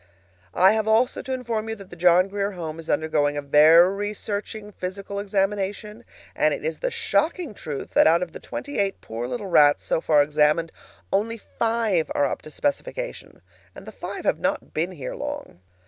I have also to inform you that the John Grier Home is undergoing a very searching physical examination, and it is the shocking truth that out of the twenty eight poor little rats so far examined only five are up to specification. And the five have not been here long.